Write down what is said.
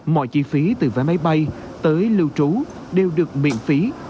mọi chi phí từ vé máy bay tới lưu trú đều được miễn phí